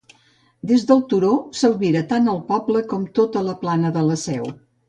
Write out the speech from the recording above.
Des del turó s'albira tant el poble com tota la plana de la Seu.